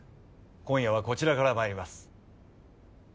今夜はこちらからまいります。